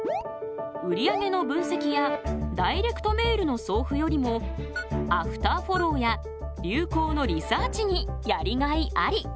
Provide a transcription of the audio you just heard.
売上の分析やダイレクトメールの送付よりもアフターフォローや流行のリサーチにやりがいあり！